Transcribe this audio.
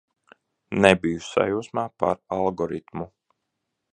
Nebiju sajūsmā par algoritmu.